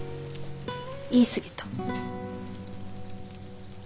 言い過ぎた。